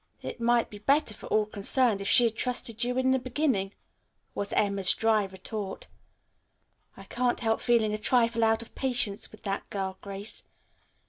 "It might be better for all concerned if she had trusted you in the beginning," was Emma's dry retort. "I can't help feeling a trifle out of patience with that girl, Grace.